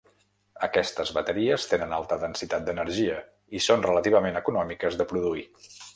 Aquestes bateries tenen alta densitat d'energia i són relativament econòmiques de produir.